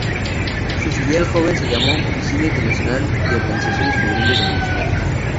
Su filial joven se llamó Oficina Internacional de Organizaciones Juveniles Revolucionarias.